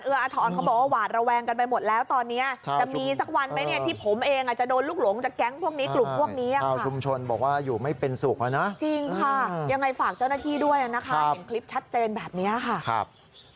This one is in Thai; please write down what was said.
อธรเขาบอกว่าหวาดระแวงกันไปหมดแล้วตอนนี้จะมีสักวันไหมเนี่ยที่ผมเองอาจจะโดนลูกหลงจากแก๊งพวกนี้กลุ่มพวกนี้ชาวชุมชนบอกว่าอยู่ไม่เป็นสุขอ่ะนะจริงค่ะยังไงฝากเจ้าหน้าที่ด้วยนะคะเห็นคลิปชัดเจนแบบนี้ค่ะ